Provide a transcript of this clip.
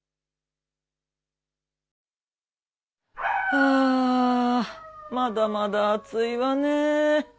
あまだまだ暑いわね。